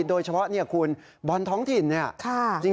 โดยเฉพาะคุณบอลท้องถิ่น